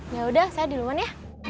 yaudah saya duluan ya